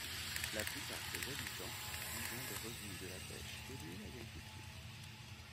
La plupart des habitants vivant des revenus de la pêche et de l'agriculture.